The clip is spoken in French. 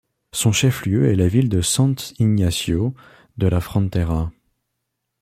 Son chef-lieu est la ville de San Ignacio de la Frontera.